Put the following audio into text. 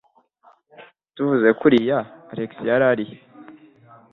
Tuvuze kuriya, Alex yari he?